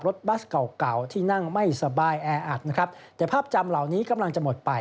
รถบัสเก่าที่นั่งไม่สบายแอ่อัดแต่ภาพจำเหล่านี้กำลังจะหมดไป